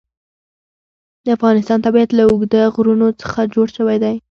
د افغانستان طبیعت له اوږده غرونه څخه جوړ شوی دی.